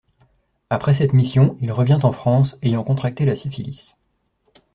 Après cette mission, il revient en France, ayant contracté la syphilis.